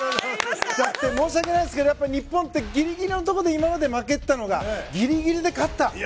申し訳ないですけど日本ってギリギリのところで今まで負けていたのがギリギリで勝った。